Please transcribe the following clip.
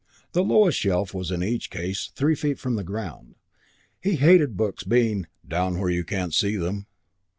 The lowest shelf was in each case three feet from the ground; he hated books being "down where you can't see them."